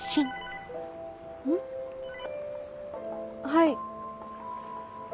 はい。